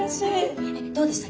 どうでした？